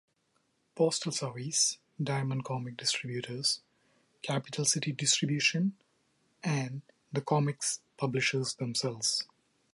Postal Service, Diamond Comic Distributors, Capital City Distribution, and the comics publishers themselves.